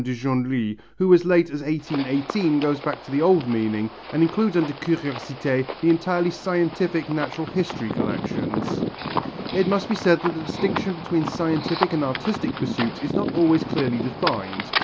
de Genlis, who as late as 1818 goes back to the old meaning and includes under curiosité the entirely scientific Natural History collections. It must be said that the distinction between scientific and artistic pursuits is not always clearly defined.